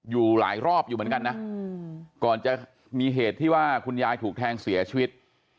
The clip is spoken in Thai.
อยู่หลายรอบอยู่เหมือนกันนะก่อนจะมีเหตุที่ว่าคุณยายถูกแทงเสียชีวิต